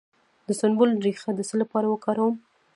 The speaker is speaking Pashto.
د سنبل ریښه د څه لپاره وکاروم؟